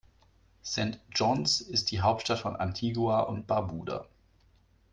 St. John’s ist die Hauptstadt von Antigua und Barbuda.